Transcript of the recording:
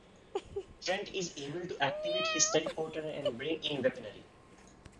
Trent is able to activate his teleporter, and bring in weaponry.